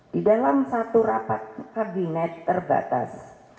di dalam satu rapat kabinet terbatas